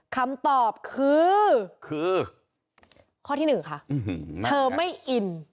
คำตอบคือคือข้อที่หนึ่งค่ะเธอไม่อิน